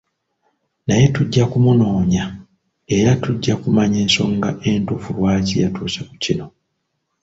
Naye tujja kumunoonya era tujja kumanya ensonga entuufu lwaki yatuuse ku kino.